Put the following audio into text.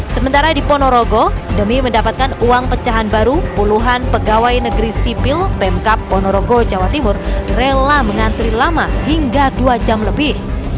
sementara di ponorogo demi mendapatkan uang pecahan baru puluhan pegawai negeri sipil pemkap ponorogo jawa timur rela mengantri lama hingga dua jam lebih